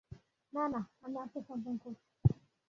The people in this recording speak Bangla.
না না, আমি আত্মসমর্পণ করছি।